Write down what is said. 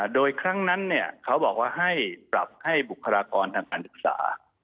โดยครั้งนั้นเขาบอกว่าให้ปรับให้บุคลากรทางการศึกษา